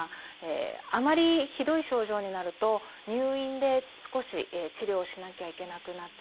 あまりひどい症状になると入院で少し治療しなきゃいけなくなってしまうこともあります。